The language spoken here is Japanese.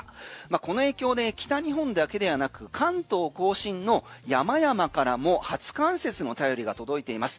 この影響で北日本だけではなく関東甲信の山々からも初冠雪の便りが届いています。